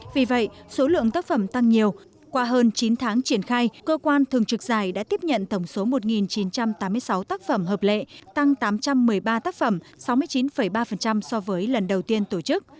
vì vậy số lượng tác phẩm tăng nhiều qua hơn chín tháng triển khai cơ quan thường trực giải đã tiếp nhận tổng số một chín trăm tám mươi sáu tác phẩm hợp lệ tăng tám trăm một mươi ba tác phẩm sáu mươi chín ba so với lần đầu tiên tổ chức